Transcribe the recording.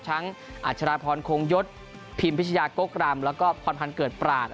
อัชราพรโคงยศพิมพิชยากกรำแล้วก็พรพันธ์เกิดปราศ